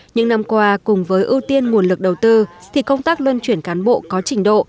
những năm qua cùng với ưu tiên nguồn lực đầu tư thì công tác luân chuyển cán bộ có trình độ